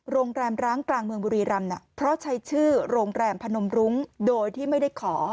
โรงแรมร้างกลางเมืองบุรีรำเพราะใช้ชื่อโรงแรมพนมรุ้งโดยที่ไม่ได้ขอ